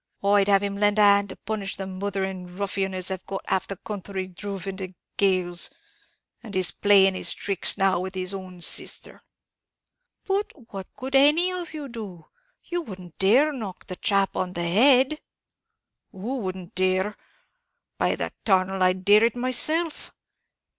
"I'd have him lend a hand to punish the murthering ruffian as have got half the counthry dhruv into gaols, and as is playing his tricks now with his own sisther." "But what could any of you do? You wouldn't dare knock the chap on the head?" "Who wouldn't dare? by the 'tarnal, I'd dare it myself!